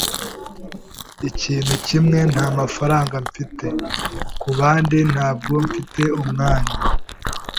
Ikintu kimwe ntamafaranga mfite; kubandi, ntabwo mfite umwanya.